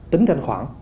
tính thanh khoản